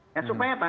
ya supaya apa